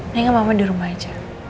mereka mama di rumah aja